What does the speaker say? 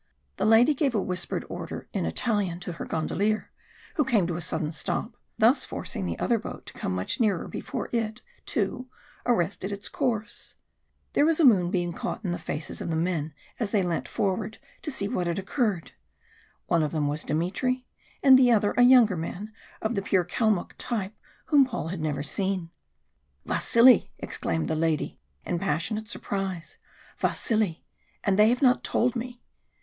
The lady gave a whispered order in Italian to her gondolier, who came to a sudden stop, thus forcing the other boat to come much nearer before it, too, arrested its course. There a moonbeam caught the faces of the men as they leant forward to see what had occurred. One of them was Dmitry, and the other a younger man of the pure Kalmuck type whom Paul had never seen. "Vasili!" exclaimed the lady, in passionate surprise. "Vasili! and they have not told me!"